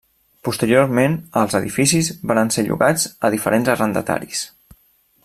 Posteriorment, els edificis varen ser llogats a diferents arrendataris.